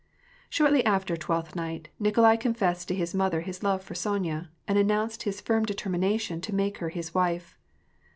Shortly after Twelfth Night, Nikolai confessed to his mother his love for Sonya, and announced his firm determina tion to make her his wife.